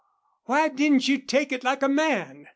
Why didn't you take it like a man?"